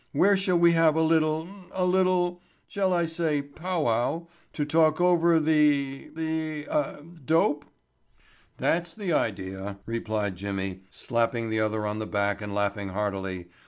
Where shall we have a little—a little,—shall I say pow wow—to talk over the—the ah—dope?" "That's the idea," replied Jimmy, slapping the other on the back and laughing heartily.